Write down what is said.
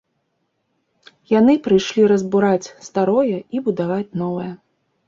Яны прыйшлі разбураць старое і будаваць новае.